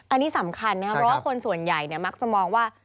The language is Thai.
อันนี้สำคัญนะครับเพราะว่าคนส่วนใหญ่มักจะมองว่า